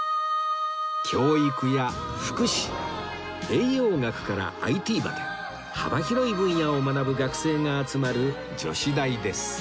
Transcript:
教育や福祉栄養学から ＩＴ まで幅広い分野を学ぶ学生が集まる女子大です